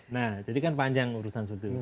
nah jadikan panjang urusan seperti itu